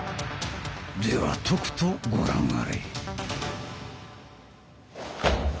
ではとくとご覧あれ！